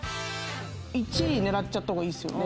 １位狙っちゃったほうがいいですよね。